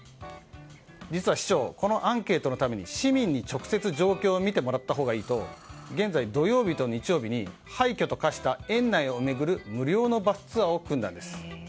実は市長このアンケートのために市民に直接状況を見てもらったほうがいいと現在土曜日と日曜日に廃虚とかした園内を巡る無料のバスツアーを組んだんです。